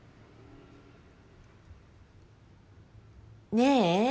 ねえ。